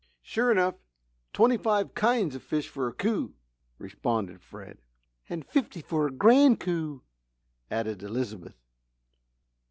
"Sure enough twenty five kinds of fish for a coup!" responded Fred. "And fifty for a Grand Coup," added Elizabeth.